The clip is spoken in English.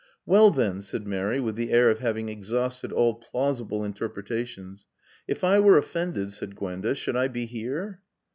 "Well then !" said Mary with the air of having exhausted all plausible interpretations. "If I were offended," said Gwenda, "should I be here?"